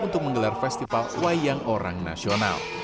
untuk menggelar festival wayang orang nasional